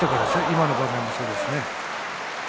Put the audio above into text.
今の場面もそうですが。